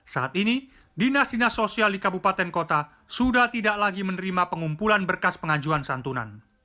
saat ini dinas dinas sosial di kabupaten kota sudah tidak lagi menerima pengumpulan berkas pengajuan santunan